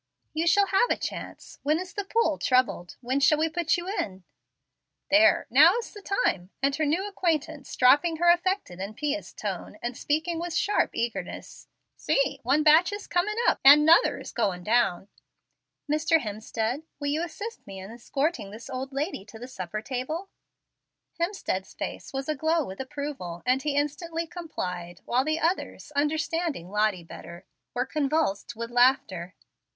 "You shall have a chance. When is the pool troubled? When shall we put you in?" "There! now is the time," said her new acquaintance, dropping her affected and pious tone, and speaking with sharp eagerness. "See, one batch is comin' up, and 'nother is going down." "Mr. Hemstead, will you assist me in escorting this old lady to the supper table?" Hemstead's face was aglow with approval, and he instantly complied, while the others, understanding Lottie better, were convulsed with laughter.